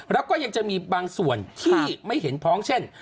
แล้วก็ยังจะมีบางส่วนที่ไม่เห็นพ้องเช่น